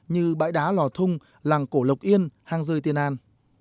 như bãi đá lò thung làng cổ lộc yên hang rơi tiên an